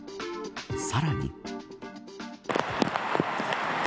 さらに。